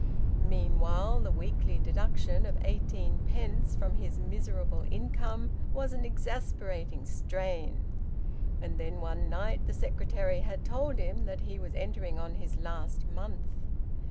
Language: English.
Meanwhile the weekly deduction of eighteenpence from his miserable income was an exasperating strain. And then one night the secretary had told him that he was entering on his last month.